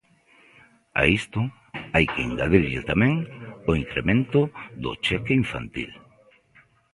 A isto hai que engadirlle tamén o incremento do cheque infantil.